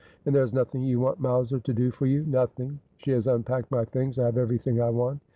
' And there »s nothing you want Mowser to do for you ?'' Nothing. She has unpacked my things. I have everything I want.'